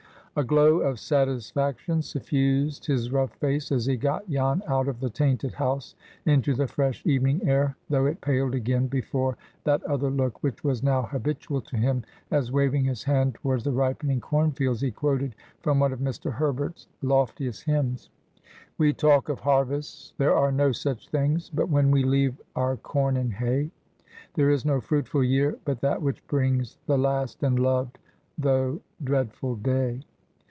A glow of satisfaction suffused his rough face as he got Jan out of the tainted house into the fresh evening air, though it paled again before that other look which was now habitual to him, as, waving his hand towards the ripening corn fields, he quoted from one of Mr. Herbert's loftiest hymns,— "We talk of harvests,—there are no such things, But when we leave our corn and hay. There is no fruitful year but that which brings The last and loved, though dreadful Day.